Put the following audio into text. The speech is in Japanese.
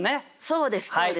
そうですそうです。